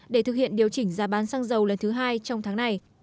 để thực hiện điều chỉnh giá bán xăng dầu lần thứ hai trong tháng này